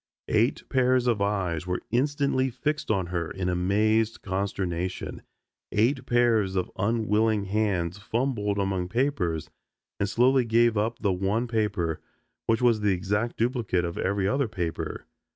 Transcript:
Eight pairs of eyes were instantly fixed on her in amazed consternation. Eight pairs of unwilling hands fumbled among papers and slowly gave up the one paper, which was the exact duplicate of every other paper.